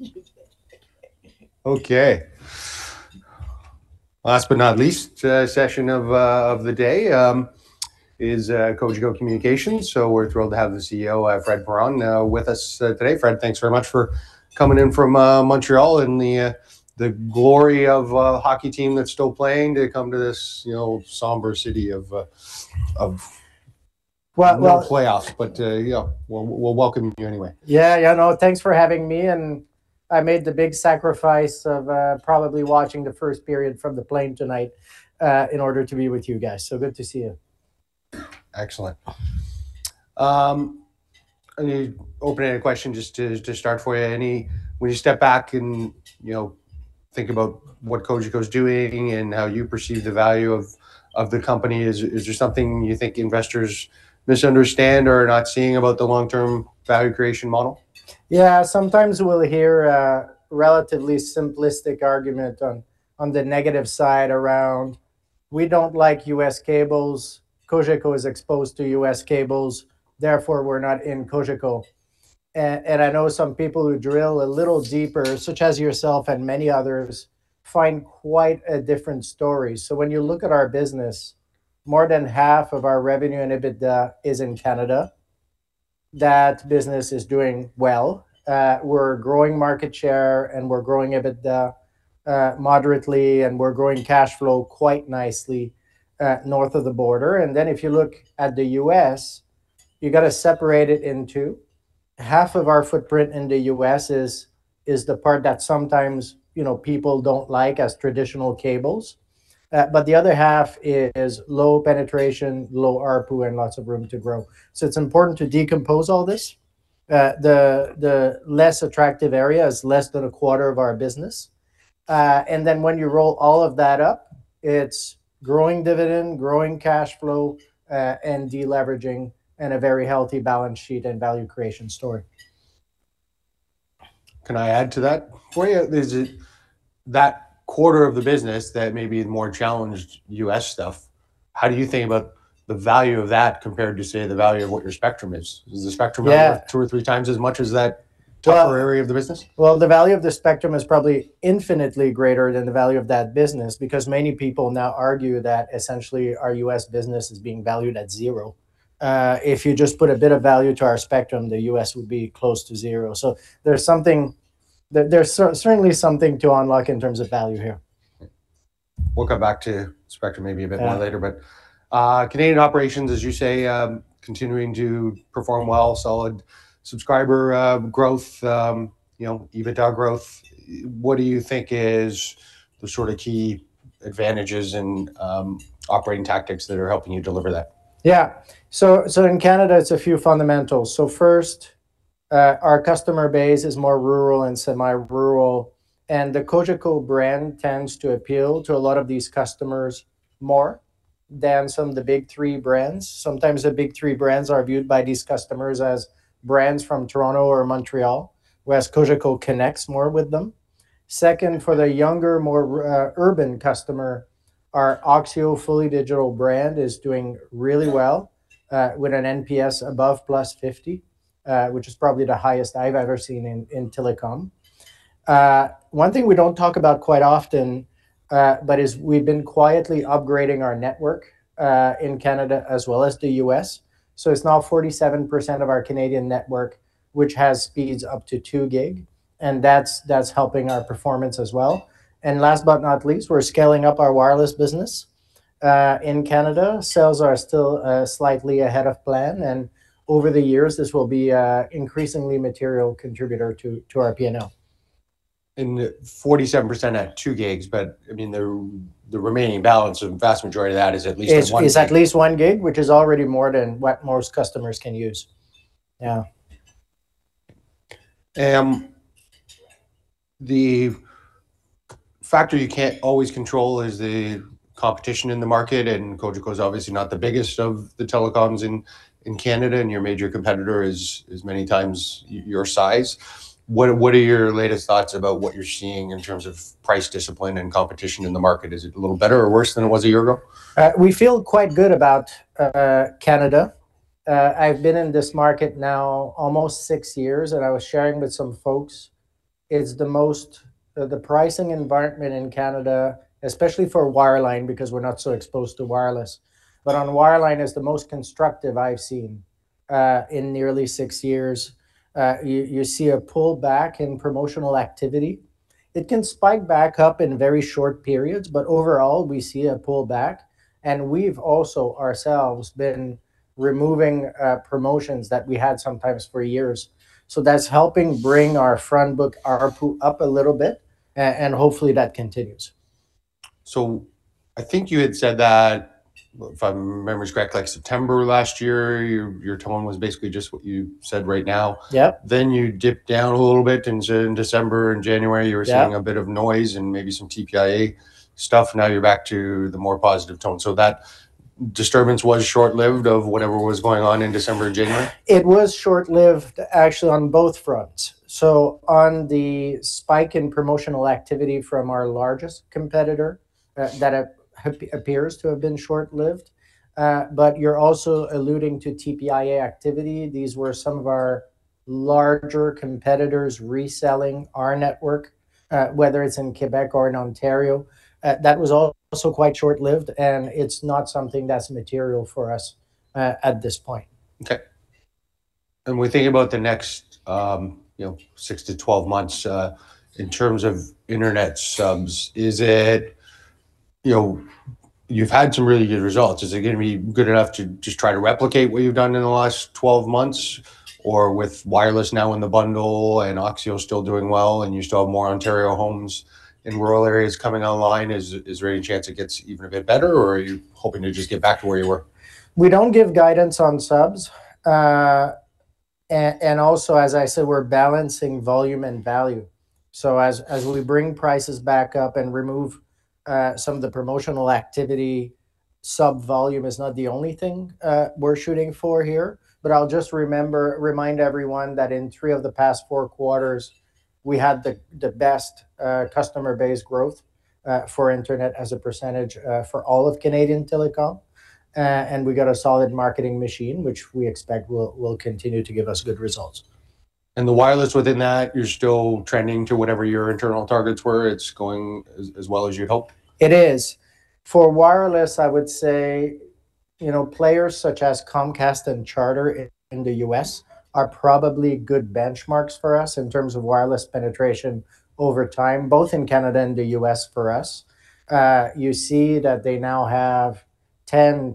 Did. Okay. Last but not least, session of the day, is Cogeco Communications. We're thrilled to have the CEO, Frédéric Perron, with us today. Fred, thanks very much for coming in from Montreal and the glory of a hockey team that's still playing to come to this, you know, somber city. Well, well- no playoffs, but, yeah, we'll welcome you anyway. Yeah, yeah, no, thanks for having me and I made the big sacrifice of, probably watching the first period from the plane tonight, in order to be with you guys. Good to see you. Excellent. I mean, opening question just to start for you. Any, when you step back and, you know, think about what Cogeco's doing and how you perceive the value of the company, is there something you think investors misunderstand or are not seeing about the long-term value creation model? Yeah, sometimes we'll hear a relatively simplistic argument on the negative side around, "We don't like U.S. cables. Cogeco is exposed to U.S. cables, therefore we're not in Cogeco." I know some people who drill a little deeper, such as yourself and many others, find quite a different story. When you look at our business, more than half of our revenue and EBITDA is in Canada. That business is doing well. We're growing market share and we're growing EBITDA moderately, and we're growing cash flow quite nicely north of the border. If you look at the U.S., you gotta separate it in two. Half of our footprint in the U.S. is the part that sometimes, you know, people don't like as traditional cables. The other half is low penetration, low ARPU, and lots of room to grow. It's important to decompose all this. The less attractive area is less than a quarter of our business. When you roll all of that up, it's growing dividend, growing cash flow, and deleveraging, and a very healthy balance sheet and value creation story. Can I add to that for you? Is it that quarter of the business that may be more challenged U.S. stuff, how do you think about the value of that compared to, say, the value of what your spectrum is? Yeah. Is the spectrum worth two or three times as much as that? Well- top area of the business? Well, the value of the spectrum is probably infinitely greater than the value of that business because many people now argue that essentially our U.S. business is being valued at zero. If you just put a bit of value to our spectrum, the U.S. would be close to zero. There's certainly something to unlock in terms of value here. We'll come back to spectrum maybe a bit more later. Yeah. Canadian operations, as you say, continuing to perform well, solid subscriber growth, you know, EBITDA growth. What do you think is the sort of key advantages and operating tactics that are helping you deliver that? Yeah. In Canada it's a few fundamentals. First, our customer base is more rural and semi-rural, and the Cogeco brand tends to appeal to a lot of these customers more than some of the Big Three brands. Sometimes the Big Three brands are viewed by these customers as brands from Toronto or Montreal, whereas Cogeco connects more with them. Second, for the younger, more urban customer, our oxio fully digital brand is doing really well, with an NPS above +50, which is probably the highest I've ever seen in telecom. One thing we don't talk about quite often, but is we've been quietly upgrading our network in Canada as well as the U.S. It's now 47% of our Canadian network which has speeds up to 2 Gb, and that's helping our performance as well. Last but not least, we're scaling up our wireless business. In Canada, sales are still slightly ahead of plan and over the years, this will be an increasingly material contributor to our P&L. 47% at 2 Gb, but I mean, the remaining balance or the vast majority of that is at least at 1 Gb. Is at least 1 Gb, which is already more than what most customers can use. Yeah. The factor you can't always control is the competition in the market, Cogeco's obviously not the biggest of the telecoms in Canada, and your major competitor is many times your size. What are your latest thoughts about what you're seeing in terms of price discipline and competition in the market? Is it a little better or worse than it was a year ago? We feel quite good about Canada. I've been in this market now almost six years, and I was sharing with some folks, it's the most, the pricing environment in Canada, especially for wireline, because we're not so exposed to wireless, but on wireline is the most constructive I've seen in nearly six years. You see a pullback in promotional activity. It can spike back up in very short periods, but overall we see a pullback and we've also ourselves been removing promotions that we had sometimes for years. That's helping bring our front book, our ARPU up a little bit. Hopefully that continues. I think you had said that, if my memory's correct, like September last year, your tone was basically just what you said right now. Yep. You dipped down a little bit in December and January. Yeah. You were seeing a bit of noise and maybe some TPIA stuff. Now you're back to the more positive tone. That disturbance was short-lived of whatever was going on in December and January? It was short-lived actually on both fronts. On the spike in promotional activity from our largest competitor, that appears to have been short-lived. You're also alluding to TPIA activity. These were some of our larger competitors reselling our network, whether it's in Quebec or in Ontario. That was also quite short-lived, and it's not something that's material for us at this point. Okay. When thinking about the next, you know, 6-12 months, in terms of internet subs, is it, you know, you've had some really good results. Is it gonna be good enough to just try to replicate what you've done in the last 12 months? Or with wireless now in the bundle and oxio still doing well, and you still have more Ontario homes in rural areas coming online, is there any chance it gets even a bit better, or are you hoping to just get back to where you were? We don't give guidance on subs. Also, as I said, we're balancing volume and value. As we bring prices back up and remove some of the promotional activity, sub volume is not the only thing we're shooting for here. I'll just remember, remind everyone that in three of the past four quarters, we had the best customer base growth for internet as a percentage, for all of Canadian telecom. We got a solid marketing machine, which we expect will continue to give us good results. The wireless within that, you're still trending to whatever your internal targets were. It's going as well as you'd hope? It is. For wireless, I would say, you know, players such as Comcast and Charter in the U.S. are probably good benchmarks for us in terms of wireless penetration over time, both in Canada and the U.S. for us. You see that they now actually,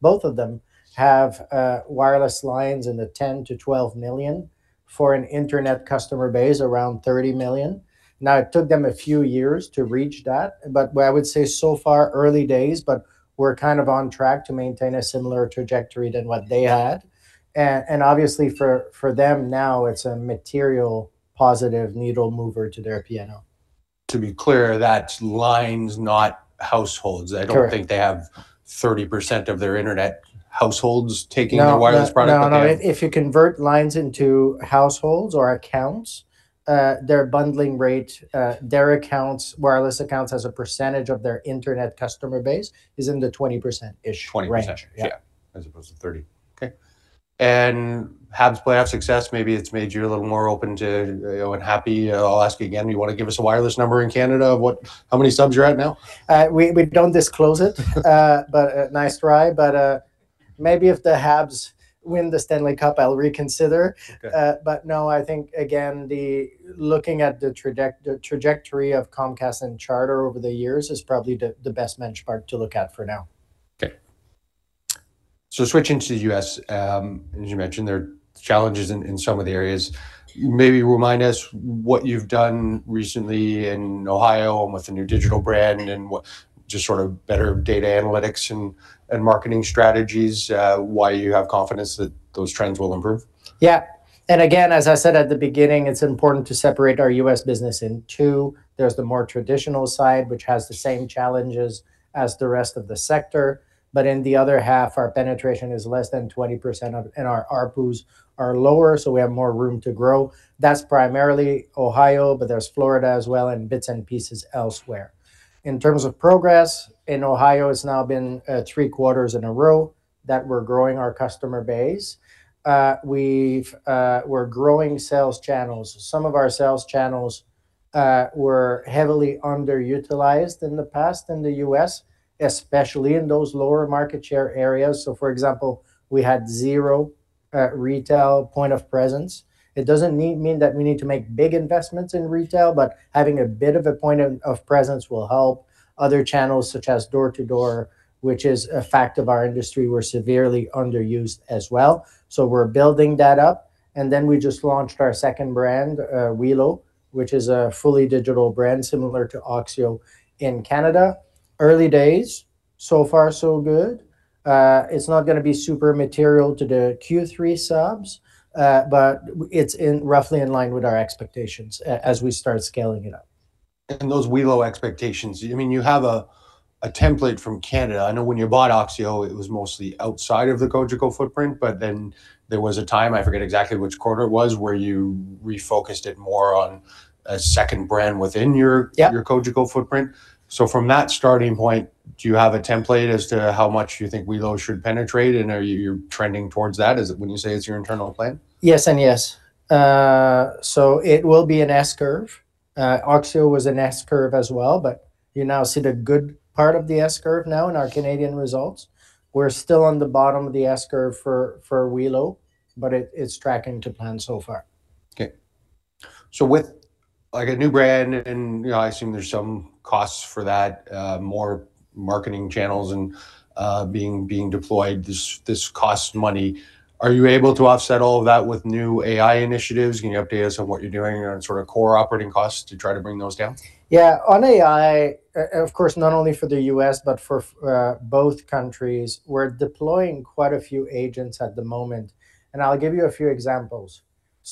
both of them have wireless lines in the 10 million-12 million for an internet customer base around 30 million. It took them a few years to reach that, but what I would say so far, early days, but we're kind of on track to maintain a similar trajectory than what they had. Obviously for them now, it's a material positive needle mover to their P&L. To be clear, that's lines, not households. Correct. I don't think they have 30% of their internet households taking their wireless product. No, no. If you convert lines into households or accounts, their bundling rate, their accounts, wireless accounts as a percentage of their internet customer base is in the 20%-ish range. 20%, yeah. Yeah. As opposed to 30. Okay. Habs playoff success, maybe it's made you a little more open to, you know, and happy. I'll ask you again, you wanna give us a wireless number in Canada of what, how many subs you're at now? We don't disclose it. Nice try. Maybe if the Habs win the Stanley Cup, I'll reconsider. Okay. No, I think, again, looking at the trajectory of Comcast and Charter over the years is probably the best benchmark to look at for now. Switching to the U.S., as you mentioned, there are challenges in some of the areas. Maybe remind us what you've done recently in Ohio and with the new digital brand and what, just sort of better data analytics and marketing strategies, why you have confidence that those trends will improve. Yeah. Again, as I said at the beginning, it's important to separate our U.S. business in two. There's the more traditional side, which has the same challenges as the rest of the sector. In the other half, our penetration is less than 20% of, and our ARPUs are lower, so we have more room to grow. That's primarily oxio, but there's Florida as well and bits and pieces elsewhere. In terms of progress, in oxio it's now been three quarters in a row that we're growing our customer base. We've, we're growing sales channels. Some of our sales channels were heavily underutilized in the past in the U.S., especially in those lower market share areas. For example, we had zero retail point of presence. It doesn't mean that we need to make big investments in retail, but having a bit of a point of presence will help. Other channels, such as door to door, which is a fact of our industry, were severely underused as well. We're building that up. We just launched our second brand, welo, which is a fully digital brand similar to oxio in Canada. Early days. Far so good. It's not gonna be super material to the Q3 subs, but it's in, roughly in line with our expectations as we start scaling it up. Those welo expectations, I mean, you have a template from Canada. I know when you bought oxio, it was mostly outside of the Cogeco footprint, but then there was a time, I forget exactly which quarter it was, where you refocused it more on a second brand within your- Yeah your Cogeco footprint. From that starting point, do you have a template as to how much you think welo should penetrate, and you're trending towards that? When you say it's your internal plan? Yes and yes. It will be an S curve. oxio was an S curve as well, you now see the good part of the S curve now in our Canadian results. We're still on the bottom of the S curve for welo, it's tracking to plan so far. Okay. With, like, a new brand, and, you know, I assume there's some costs for that, more marketing channels and being deployed, this costs money. Are you able to offset all of that with new AI initiatives? Can you update us on what you're doing around sort of core operating costs to try to bring those down? Yeah. On AI, of course, not only for the U.S., but for both countries, we're deploying quite a few agents at the moment, and I'll give you a few examples.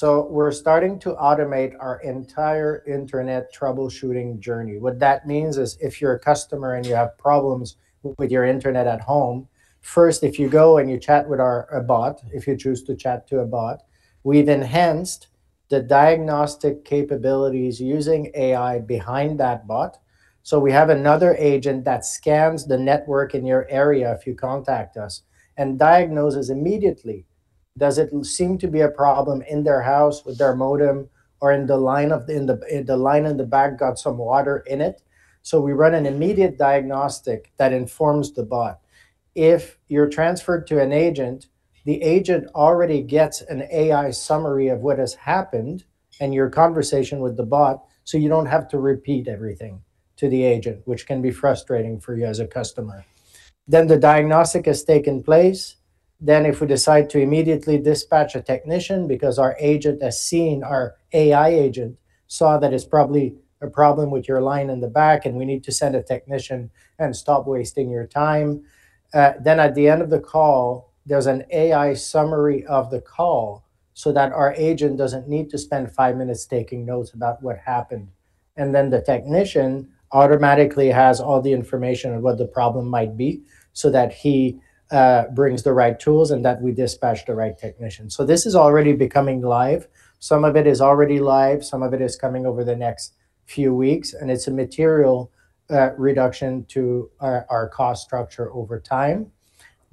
We're starting to automate our entire internet troubleshooting journey. What that means is if you're a customer and you have problems with your internet at home, first, if you go and you chat with our, a bot, if you choose to chat to a bot, we've enhanced the diagnostic capabilities using AI behind that bot. We have another agent that scans the network in your area if you contact us and diagnoses immediately. Does it seem to be a problem in their house with their modem or in the line in the back got some water in it? We run an immediate diagnostic that informs the bot. If you're transferred to an agent, the agent already gets an AI summary of what has happened and your conversation with the bot, so you don't have to repeat everything to the agent, which can be frustrating for you as a customer. The diagnostic has taken place. If we decide to immediately dispatch a technician because our agent has seen, our AI agent saw that it's probably a problem with your line in the back, and we need to send a technician and stop wasting your time, then at the end of the call, there's an AI summary of the call so that our agent doesn't need to spend five minutes taking notes about what happened. The technician automatically has all the information of what the problem might be, so that he brings the right tools and that we dispatch the right technician. This is already becoming live. Some of it is already live. Some of it is coming over the next few weeks, and it's a material reduction to our cost structure over time.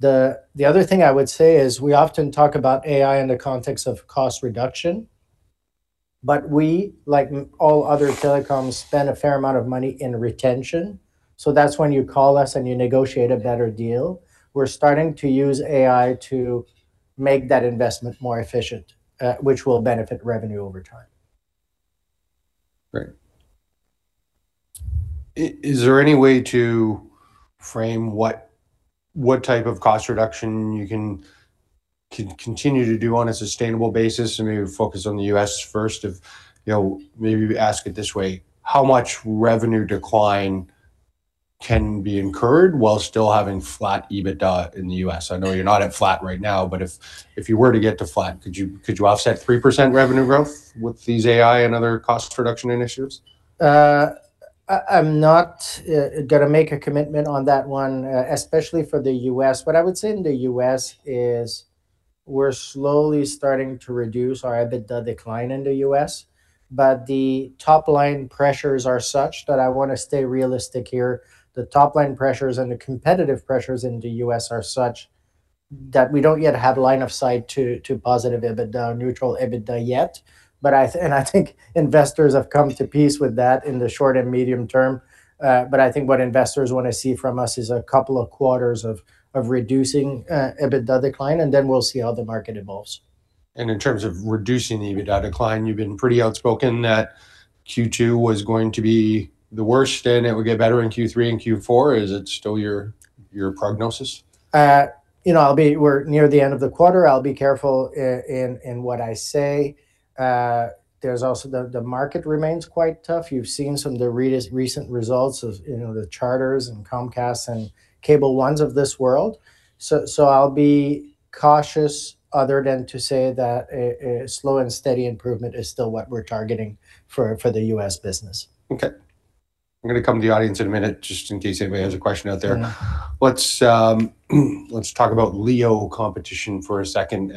The other thing I would say is we often talk about AI in the context of cost reduction. We, like all other telecoms, spend a fair amount of money in retention, so that's when you call us and you negotiate a better deal. We're starting to use AI to make that investment more efficient, which will benefit revenue over time. Great. Is there any way to frame what type of cost reduction you can continue to do on a sustainable basis? Maybe focus on the U.S. first if, you know, maybe ask it this way. How much revenue decline can be incurred while still having flat EBITDA in the U.S.? I know you're not at flat right now, but if you were to get to flat, could you offset 3% revenue growth with these AI and other cost reduction initiatives? I'm not gonna make a commitment on that one, especially for the U.S. What I would say in the U.S. is we're slowly starting to reduce our EBITDA decline in the U.S., the top line pressures are such that I wanna stay realistic here. The top line pressures and the competitive pressures in the U.S. are such that we don't yet have line of sight to positive EBITDA, neutral EBITDA yet. I think investors have come to peace with that in the short and medium term. I think what investors wanna see from us is a couple of quarters of reducing EBITDA decline, and then we'll see how the market evolves. In terms of reducing the EBITDA decline, you've been pretty outspoken that Q2 was going to be the worst and it would get better in Q3 and Q4. Is it still your prognosis? You know, We're near the end of the quarter, I'll be careful in what I say. There's also the market remains quite tough. You've seen some of the recent results of, you know, the Charters and Comcasts and Cable Ones of this world. I'll be cautious other than to say that a slow and steady improvement is still what we're targeting for the U.S. business. Okay. I'm gonna come to the audience in a minute just in case anybody has a question out there. Fair enough. Let's talk about LEO competition for a second.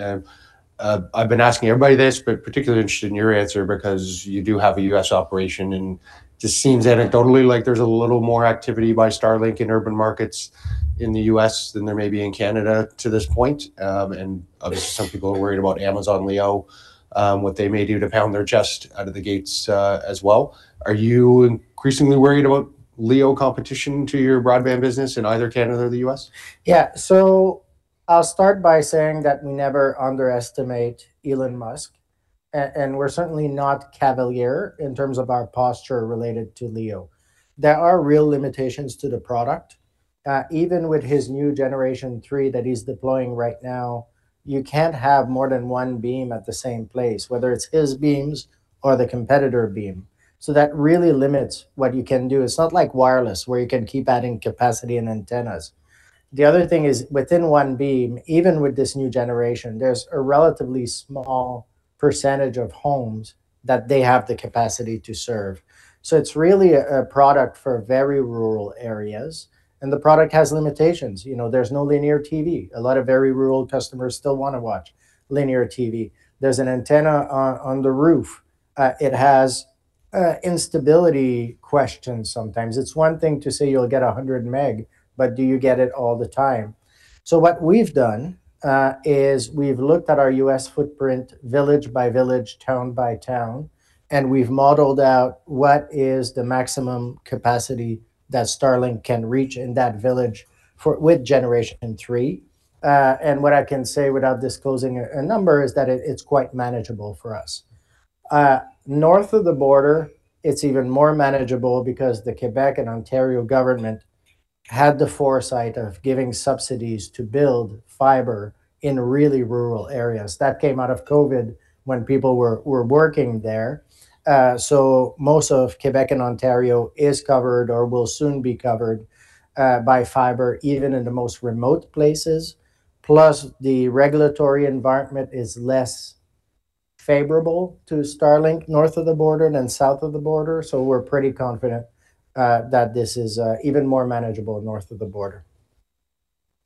I've been asking everybody this, but particularly interested in your answer because you do have a U.S. operation, and just seems anecdotally like there's a little more activity by Starlink in urban markets in the U.S. than there may be in Canada to this point. And obviously some people are worried about Amazon LEO, what they may do to pound their chest out of the gates as well. Are you increasingly worried about LEO competition to your broadband business in either Canada or the U.S.? Yeah. I'll start by saying that never underestimate Elon Musk. We're certainly not cavalier in terms of our posture related to LEO. There are real limitations to the product. Even with his new Gen 3 that he's deploying right now, you can't have more than one beam at the same place, whether it's his beams or the competitor beam. That really limits what you can do. It's not like wireless, where you can keep adding capacity and antennas. The other thing is within one beam, even with this new generation, there's a relatively small percentage of homes that they have the capacity to serve. It's really a product for very rural areas, and the product has limitations. You know, there's no linear TV. A lot of very rural customers still wanna watch linear TV. There's an antenna on the roof. It has instability questions sometimes. It's one thing to say you'll get 100 Mbps, but do you get it all the time? What we've done is we've looked at our U.S. footprint, village by village, town by town, and we've modeled out what is the maximum capacity that Starlink can reach in that village for, with Gen 3. What I can say without disclosing a number is that it's quite manageable for us. North of the border, it's even more manageable because the Quebec and Ontario government had the foresight of giving subsidies to build fiber in really rural areas. That came out of COVID when people were working there. Most of Quebec and Ontario is covered or will soon be covered by fiber, even in the most remote places. The regulatory environment is less favorable to Starlink north of the border than south of the border. We're pretty confident that this is even more manageable north of the border.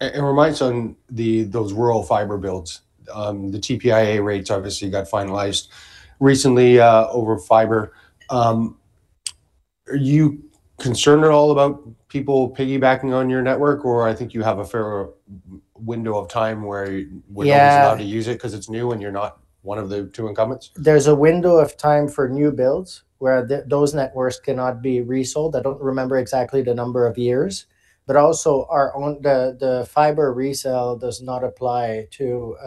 Reminds on the, those rural fiber builds, the TPIA rates obviously got finalized recently, over fiber. Are you concerned at all about people piggybacking on your network? I think you have a fair window of time where. Yeah no one's allowed to use it, 'cause it's new and you're not one of the two incumbents. There's a window of time for new builds where those networks cannot be resold. I don't remember exactly the number of years. Also our own, the fiber resale does not apply to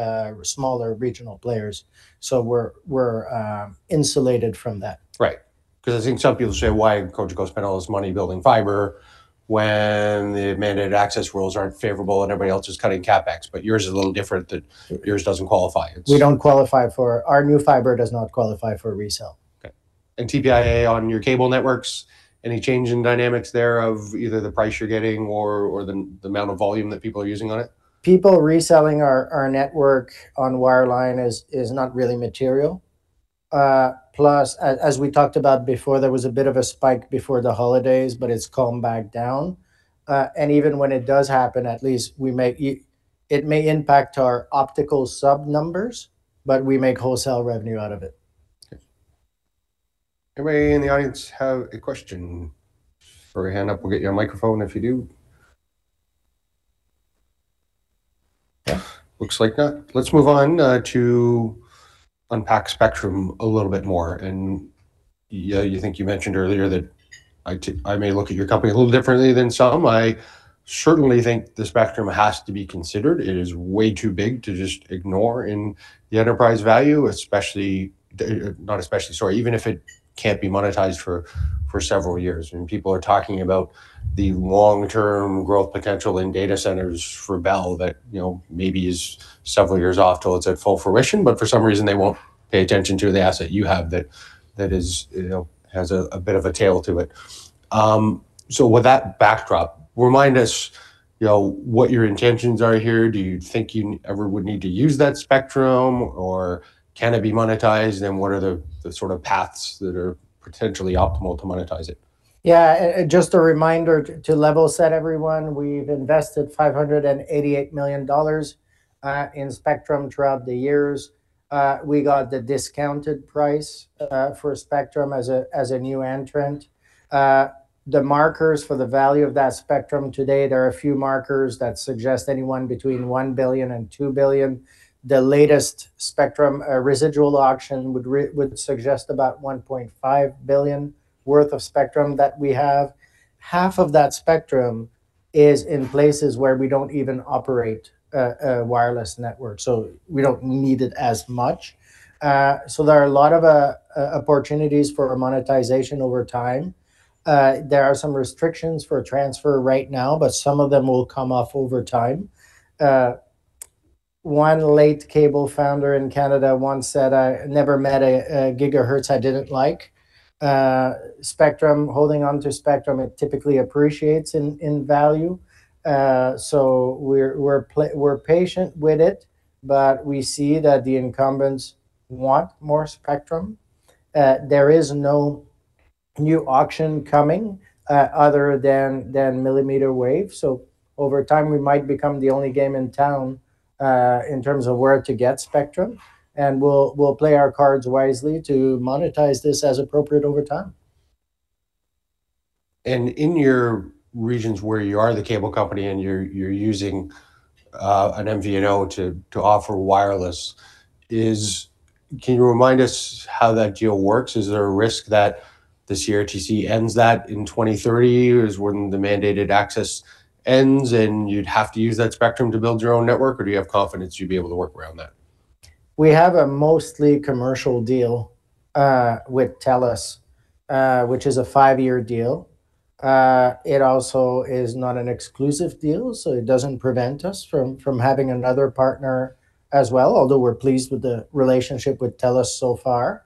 smaller regional players, so we're insulated from that. Right. 'Cause I think some people say, "Why did Cogeco spend all this money building fiber when the mandated access rules aren't favorable and everybody else is cutting CapEx?" Yours is a little different, that yours doesn't qualify. Our new fiber does not qualify for resale. Okay. TPIA on your cable networks, any change in dynamics there of either the price you're getting or the amount of volume that people are using on it? People reselling our network on wireline is not really material. As we talked about before, there was a bit of a spike before the holidays, but it's calmed back down. Even when it does happen, at least we make it may impact our optical sub numbers, but we make wholesale revenue out of it. Okay. Anybody in the audience have a question? Put your hand up, we'll get you a microphone if you do. Yeah, looks like not. Let's move on to unpack spectrum a little bit more. Yeah, you think you mentioned earlier that I may look at your company a little differently than some. I certainly think the spectrum has to be considered. It is way too big to just ignore in the enterprise value, especially, not especially, sorry, even if it can't be monetized for several years. People are talking about the long-term growth potential in data centers for Bell that, you know, maybe is several years off till it's at full fruition, but for some reason they won't pay attention to the asset you have that is, you know, has a bit of a tail to it. With that backdrop, remind us, you know, what your intentions are here. Do you think you ever would need to use that spectrum, or can it be monetized? And what are the sort of paths that are potentially optimal to monetize it? Yeah. Just a reminder to level set everyone, we've invested 588 million dollars in spectrum throughout the years. We got the discounted price for spectrum as a new entrant. The markers for the value of that spectrum today, there are a few markers that suggest anyone between 1 billion and 2 billion. The latest spectrum residual auction would suggest about 1.5 billion worth of spectrum that we have. Half of that spectrum is in places where we don't even operate a wireless network, so we don't need it as much. There are a lot of opportunities for monetization over time. There are some restrictions for transfer right now, but some of them will come off over time. One late cable founder in Canada once said, "I never met a gigahertz I didn't like." Spectrum, holding onto spectrum, it typically appreciates in value. We're patient with it, but we see that the incumbents want more spectrum. There is no new auction coming other than millimeter wave. Over time we might become the only game in town in terms of where to get spectrum, and we'll play our cards wisely to monetize this as appropriate over time. In your regions where you are the cable company and you're using an MVNO to offer wireless, can you remind us how that deal works? Is there a risk that the CRTC ends that in 2030, when the mandated access ends, and you'd have to use that spectrum to build your own network, or do you have confidence you'd be able to work around that? We have a mostly commercial deal with TELUS, which is a five-year deal. It also is not an exclusive deal, so it doesn't prevent us from having another partner as well, although we're pleased with the relationship with TELUS so far.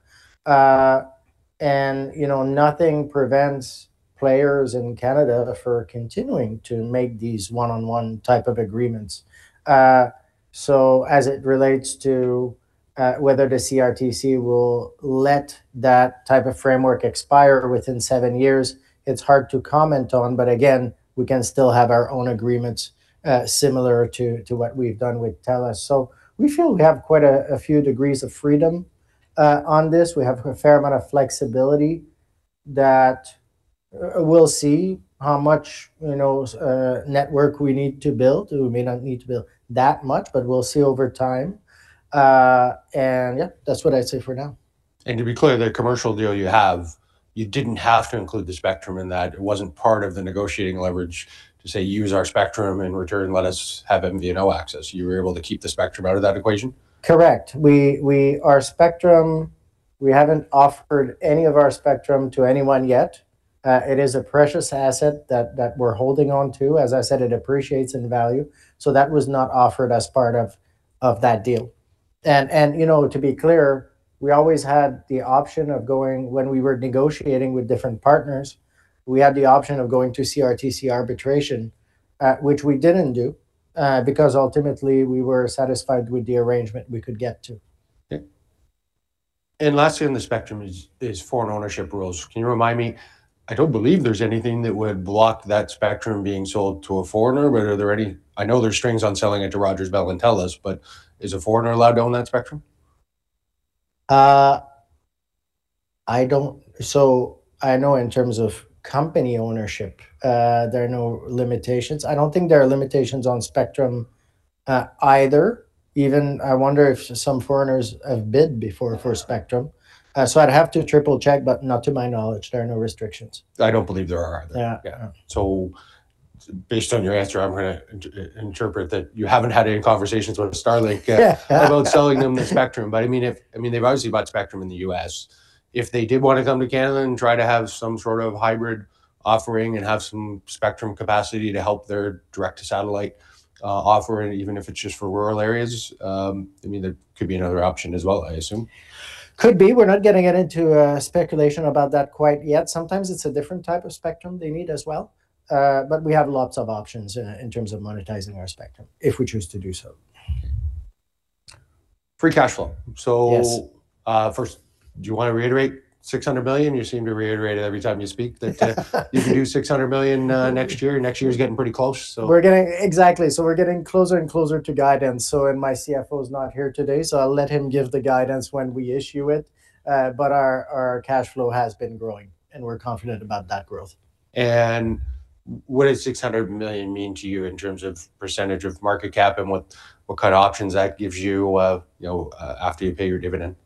You know, nothing prevents players in Canada for continuing to make these one-on-one type of agreements. As it relates to whether the CRTC will let that type of framework expire within seven years, it's hard to comment on. Again, we can still have our own agreements, similar to what we've done with TELUS. We feel we have quite a few degrees of freedom on this. We have a fair amount of flexibility that we'll see how much, you know, network we need to build. We may not need to build that much, but we'll see over time. Yeah, that's what I'd say for now. To be clear, the commercial deal you have, you didn't have to include the spectrum in that? It wasn't part of the negotiating leverage to say, "Use our spectrum. In return, let us have MVNO access." You were able to keep the spectrum out of that equation? Correct. Our spectrum, we haven't offered any of our spectrum to anyone yet. It is a precious asset that we're holding onto. As I said, it appreciates in value. That was not offered as part of that deal. You know, to be clear, we always had the option of going, when we were negotiating with different partners, we had the option of going to CRTC arbitration, which we didn't do, because ultimately we were satisfied with the arrangement we could get to. Okay. Lastly on the spectrum is foreign ownership rules. Can you remind me, I don't believe there's anything that would block that spectrum being sold to a foreigner, but are there any I know there's strings on selling it to Rogers, Bell, and TELUS, but is a foreigner allowed to own that spectrum? I don't. I know in terms of company ownership, there are no limitations. I don't think there are limitations on spectrum either. Even I wonder if some foreigners have bid before for spectrum. I'd have to triple check, but not to my knowledge, there are no restrictions. I don't believe there are either. Yeah. Yeah. Based on your answer, I'm gonna interpret that you haven't had any conversations with Starlink about selling them the spectrum. I mean, if, I mean, they've obviously bought spectrum in the U.S. If they did wanna come to Canada and try to have some sort of hybrid offering and have some spectrum capacity to help their direct satellite offering, even if it's just for rural areas, I mean, that could be another option as well, I assume. Could be. We're not gonna get into speculation about that quite yet. Sometimes it's a different type of spectrum they need as well. We have lots of options in terms of monetizing our spectrum if we choose to do so. Free cash flow. Yes. First, do you wanna reiterate 600 million? You seem to reiterate it every time you speak that you can do 600 million next year. Next year is getting pretty close. We're getting exactly. We're getting closer and closer to guidance, so, and my CFO's not here today, so I'll let him give the guidance when we issue it. Our cash flow has been growing and we're confident about that growth. What does 600 million mean to you in terms of percentage of market cap and what kind of options that gives you know, after you pay your dividend?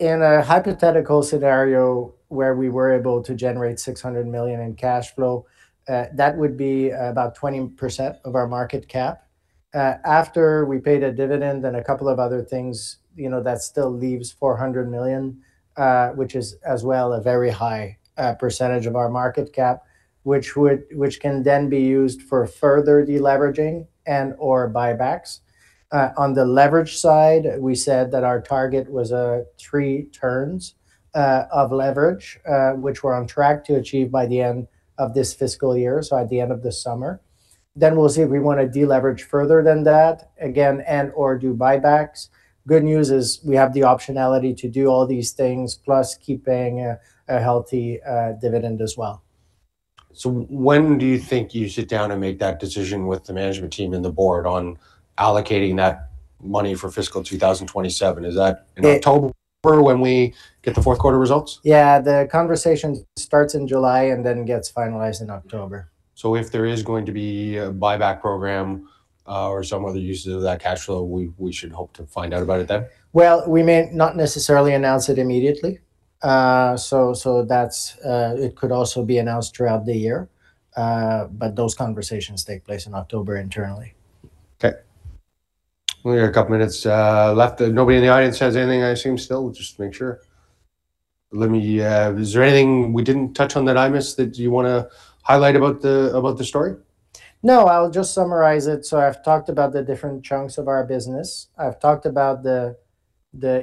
In a hypothetical scenario where we were able to generate 600 million in cash flow, that would be about 20% of our market cap. After we paid a dividend and a couple of other things, you know, that still leaves 400 million, which is as well a very high percentage of our market cap, which can then be used for further deleveraging and/or buybacks. On the leverage side, we said that our target was three turns of leverage, which we're on track to achieve by the end of this fiscal year, so by the end of this summer. We'll see if we wanna deleverage further than that, again, and/or do buybacks. Good news is we have the optionality to do all these things, plus keeping a healthy dividend as well. When do you think you sit down and make that decision with the management team and the board on allocating that money for fiscal 2027? Is that in October when we get the fourth quarter results? Yeah, the conversation starts in July and then gets finalized in October. If there is going to be a buyback program, or some other uses of that cash flow, we should hope to find out about it then? Well, we may not necessarily announce it immediately. It could also be announced throughout the year. Those conversations take place in October internally. Okay. We got a couple minutes left. Nobody in the audience has anything I assume still, just to make sure. Let me, is there anything we didn't touch on that I missed that you wanna highlight about the, about the story? No, I'll just summarize it. I've talked about the different chunks of our business. I've talked about the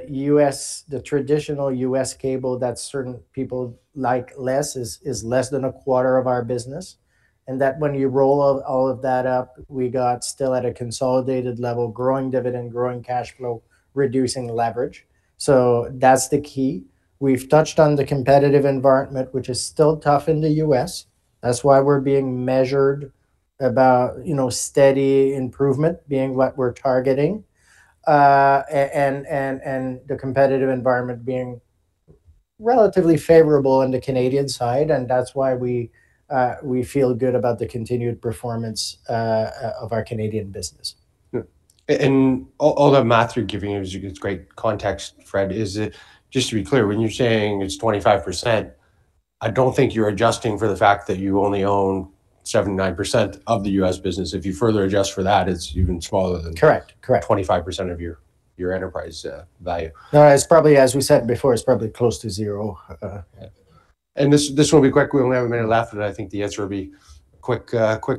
U.S., the traditional U.S. cable that certain people like less, is less than a quarter of our business. When you roll all of that up, we got still at a consolidated level, growing dividend, growing cash flow, reducing leverage. That's the key. We've touched on the competitive environment, which is still tough in the U.S. That's why we're being measured about, you know, steady improvement being what we're targeting. The competitive environment being relatively favorable on the Canadian side, and that's why we feel good about the continued performance of our Canadian business. All the math you're giving gives great context, Fred. Is it, just to be clear, when you're saying it's 25%, I don't think you're adjusting for the fact that you only own 79% of the U.S. business. If you further adjust for that, it's even smaller. Correct. 25% of your enterprise value. No, it's probably, as we said before, it's probably close to zero. Yeah. This will be quick, we only have a minute left, and I think the answer will be quick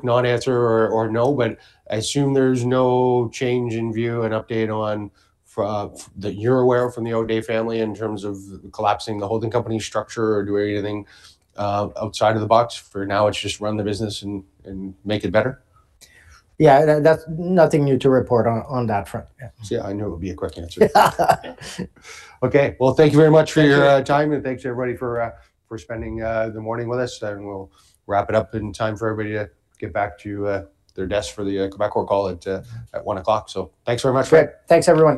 non-answer or no, but I assume there's no change in view and update that you're aware of from the Audet family in terms of collapsing the holding company structure or doing anything outside of the box. For now it's just run the business and make it better. Yeah, that's nothing new to report on that front. Yeah. See, I knew it would be a quick answer. Yeah. Okay. Well, thank you very much for your- Thank you. Time and thanks everybody for spending the morning with us, and we'll wrap it up in time for everybody to get back to their desks for the Quebecor call at 1:00 P.M. Thanks very much, Fred. Thanks everyone.